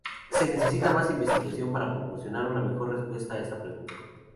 Se necesita más investigación para proporcionar una mejor respuesta a esa pregunta.